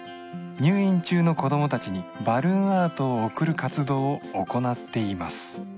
入院中の子供達にバルーンアートを贈る活動を行っています